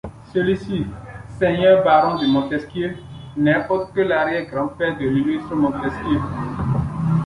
Celui-ci, seigneur baron de Montesquieu, n'est autre que l'arrière-grand-père de l'illustre Montesquieu.